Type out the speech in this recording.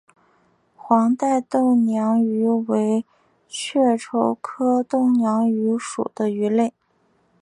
黄带豆娘鱼为雀鲷科豆娘鱼属的鱼类。